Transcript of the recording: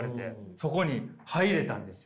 そこに入れたんですよ